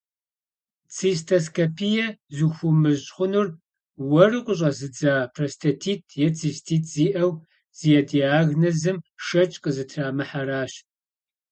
Цистоскопие зыхуумыщӏ хъунур уэру къыщӏэзыдза простатит е цистит зиӏэу, зи диагнозым шэч къызытрамыхьэращ.